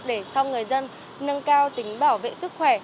để cho người dân nâng cao tính bảo vệ sức khỏe